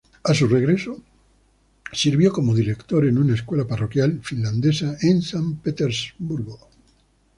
A su regreso, sirvió como director en una escuela parroquial finlandesa en San Petersburgo.